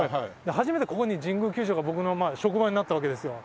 初めてここに神宮球場が僕の職場になったわけですよ。